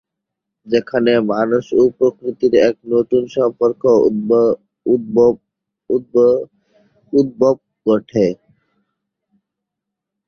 যেখানে মানুষ ও প্রকৃতির এক নতুন সম্পর্কের উদ্ভব ঘটে।